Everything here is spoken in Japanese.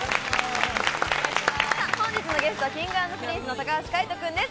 本日のゲスト、Ｋｉｎｇ＆Ｐｒｉｎｃｅの高橋海人くんです。